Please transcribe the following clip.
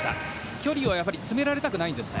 距離を詰められたくないんですね。